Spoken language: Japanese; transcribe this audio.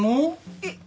えっ？